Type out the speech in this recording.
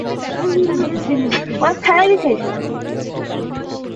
হে, হে, হে, হে।